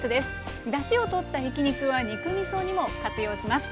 だしをとったひき肉は肉みそにも活用します。